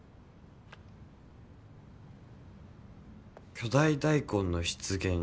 「巨大大根の出現！？」